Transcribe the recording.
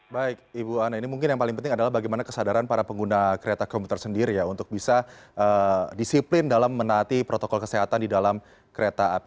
baik ibu ana ini mungkin yang paling penting adalah bagaimana kesadaran para pengguna kereta komuter sendiri ya untuk bisa disiplin dalam menaati protokol kesehatan di dalam kereta api